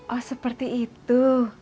oh seperti itu